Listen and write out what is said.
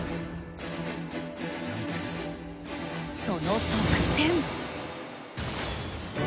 その得点。